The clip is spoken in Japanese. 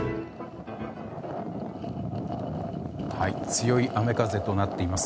強い雨風となっています。